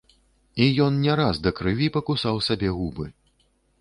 І ён не раз да крыві пакусаў сабе губы.